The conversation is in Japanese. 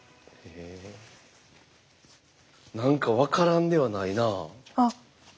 何か分からんではないな。